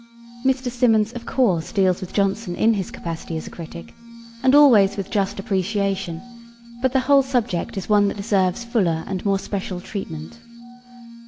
Mr. Symonds, of course, deals with Jonson in his capacity as a critic, and always with just appreciation, but the whole subject is one that deserves fuller and more special treatment.